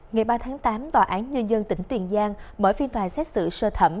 ngày ba tháng tám tòa án nhân dân tỉnh tiền giang mở phiên tòa xét xử sơ thẩm